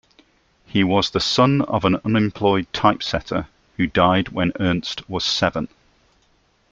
He was the son of an unemployed typesetter, who died when Ernst was seven.